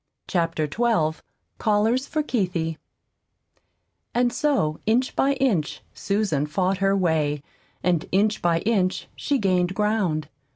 CHAPTER XII CALLERS FOR "KEITHIE" And so inch by inch Susan fought her way, and inch by inch she gained ground.